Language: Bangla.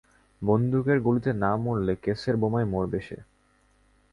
বন্দুকের গুলিতে না মরলে, কেসের বোমায় মরবে সে।